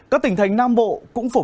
các tỉnh thành nam bộ cũng phục vụ